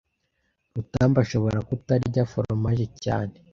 Rutambi ashobora kutarya foromaje cyane